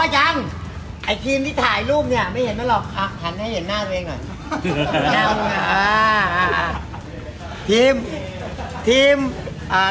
อ๋อยังไอ้ทีมที่ถ่ายรูปเนี้ยไม่เห็นแล้วหรอกอะหันให้เห็นหน้าเรนหน่อยอ่าอ่าทีมทีมอ่า